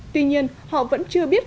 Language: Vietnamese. tuy nhiên họ vẫn chưa biết